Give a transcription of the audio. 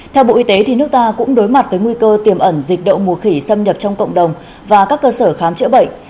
theo bộ y tế nước ta cũng đối mặt với nguy cơ tiềm ẩn dịch đậu mùa khỉ xâm nhập trong cộng đồng và các cơ sở khám chữa bệnh